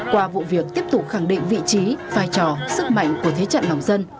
qua vụ việc tiếp tục khẳng định vị trí vai trò sức mạnh của thế trận lòng dân